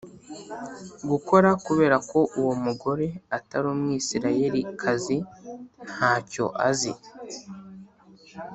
Gukora kubera ko uwo mugore atari umwisirayelikazi nta cyo azi